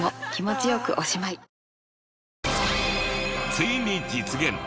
ついに実現！